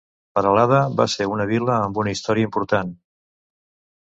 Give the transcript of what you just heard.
Peralada va ser una vila amb una història important.